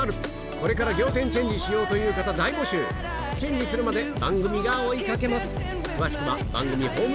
これから仰天チェンジしようという方大募集チェンジするまで番組が追いかけます